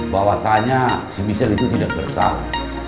bahwasanya si misir itu tidak bersalah